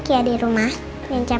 atom waktu hembro lebat setengah masa